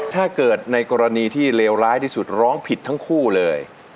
ถ้าเกิดในกรณีที่เลวร้ายที่สุดร้องผิดทั้งคู่เลย